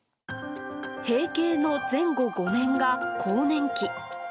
閉経の前後５年が更年期。